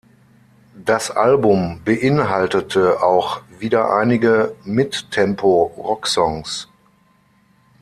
Das Album beinhaltete auch wieder einige Midtempo-Rocksongs.